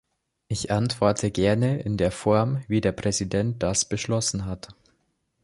Ich antworte gerne in der Form, wie der Präsident das beschlossen hat.